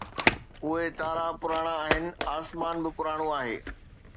اهي تارا پراڻا آهن، آسمان به پراڻو آهي